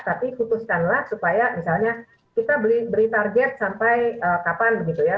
tapi putuskanlah supaya misalnya kita beri target sampai kapan begitu ya